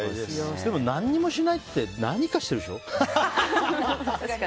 でも、何もしないって何かしてるでしょ？